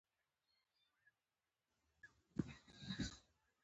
په رښتنوني ویناوو خوشحاله شوم.